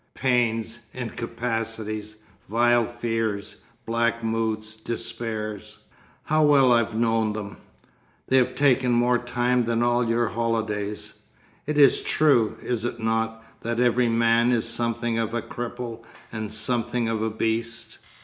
Pains, incapacities, vile fears, black moods, despairs. How well I've known them. They've taken more time than all your holidays. It is true, is it not, that every man is something of a cripple and something of a beast?